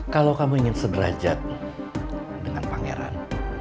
kalau kamu ingin sederajat dengan pangeran